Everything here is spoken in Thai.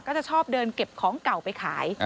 ก็จะชอบเดินเก็บของเก่าไปขาย